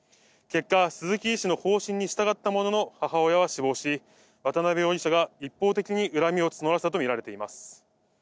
結果、鈴木医師の方針に従ったものの母親は死亡し、渡邊容疑者が一方的に恨みを募らせたとみられています。